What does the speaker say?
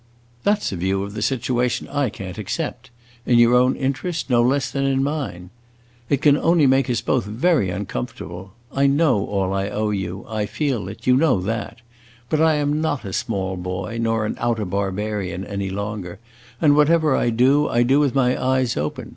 "That 's a view of the situation I can't accept; in your own interest, no less than in mine. It can only make us both very uncomfortable. I know all I owe you; I feel it; you know that! But I am not a small boy nor an outer barbarian any longer, and, whatever I do, I do with my eyes open.